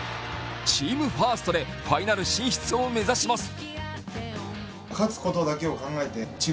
チームファーストでファイナル進出を目指します。